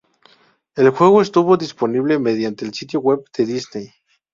El juego estuvo disponible mediante el sitio web de Disney.